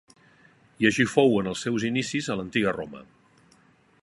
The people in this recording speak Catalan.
I així fou en els seus inicis a l'Antiga Roma.